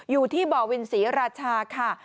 อยู่ที่บ่อวินศรีราชาค่ะ